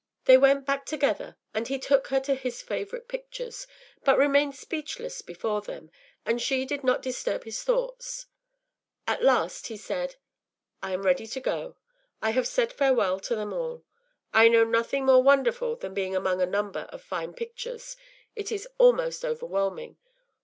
” They went back together, and he took her to his favourite pictures, but remained speechless before them, and she did not disturb his thoughts. At last he said: “I am ready to go. I have said farewell to them all. I know nothing more wonderful than being among a number of fine pictures. It is almost overwhelming.